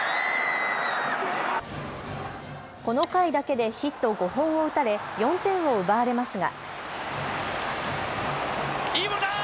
この回だけでヒット５本を打たれ４点を奪われますが。